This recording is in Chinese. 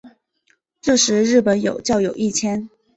这时日本有教友一千。